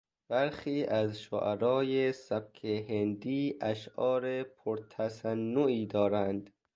برخی از شعرای سبک هندی اشعار پرتصنعی دارند.